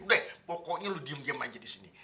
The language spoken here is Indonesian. udah pokoknya lu diem diem aja di sini